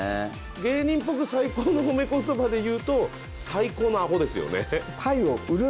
芸人っぽく最高のほめ言葉で言うと最高のアホですよね